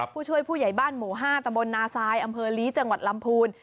ผู้ช่วยผู้ใหญ่บ้านหมู่๕ตำบลนาซายอำเภอลีจังหวัดลำพูน